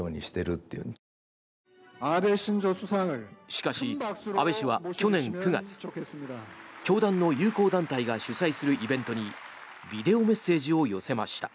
しかし、安倍氏は去年９月教団の友好団体が主催するイベントにビデオメッセージを寄せました。